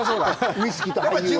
ウイスキーと俳優は。